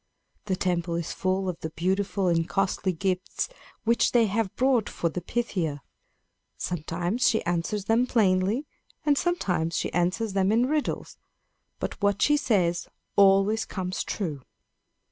The temple is full of the beautiful and costly gifts which they have brought for the Pythia. Sometimes she answers them plainly, and sometimes she answers them in riddles; but what she says always comes true."